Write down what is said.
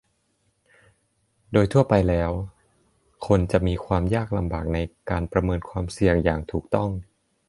โดยทั่วไปแล้ว คนจะมีความยากลำบากในการประเมินความเสี่ยงอย่างถูกต้อง